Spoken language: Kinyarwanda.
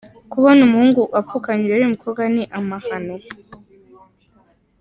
Kubona umuhungu apfukamye imbere y’umukobwa ni amahano.